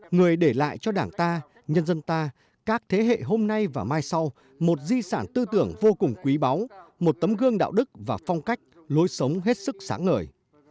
người để lại cho đảng ta nhân dân ta các thế hệ hôm nay và mai sau một di sản tư tưởng vô cùng quý báu một tấm gương đạo đức và phong cách lối sống hết sức sáng ngời